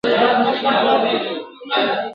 خدای دي نه کړي له سړي څخه لار ورکه ..